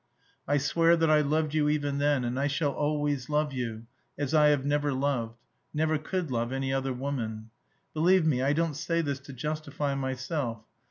I swear that I loved you even then; and I shall always love you, as I have never loved never could love any other woman. Believe me, I don't say this to justify myself.